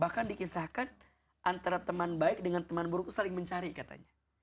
bahkan dikisahkan antara teman baik dengan teman buruku saling mencari katanya